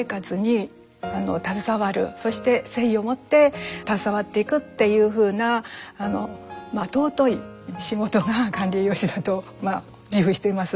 そして誠意を持って携わっていくっていうふうな尊い仕事が管理栄養士だと自負しています。